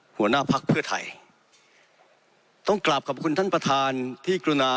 หัวหน้าพักเพื่อไทยต้องกลับขอบคุณท่านประธานที่กรุณา